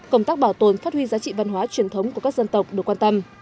công tác bảo tồn phát huy giá trị văn hóa truyền thống của các dân tộc được quan tâm